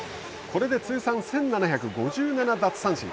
これで通算１７５７奪三振。